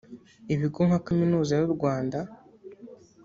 Ibigo nka Kaminuza y’u Rwanda